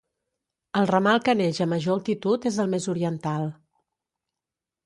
El ramal que neix a major altitud és el més oriental.